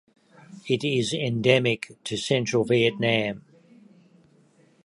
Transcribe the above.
It is endemic to central Vietnam.